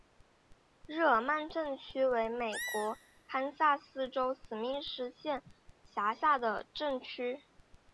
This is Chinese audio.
日耳曼镇区为美国堪萨斯州史密斯县辖下的镇区。